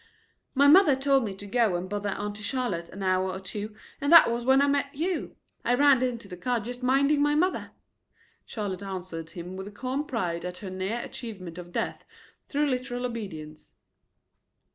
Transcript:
"My mother told me to go and bother Auntie Charlotte an hour or two and that was when I met you. I ran into the car just minding my mother," Charlotte answered him with calm pride at her near achievement of death through literal obedience.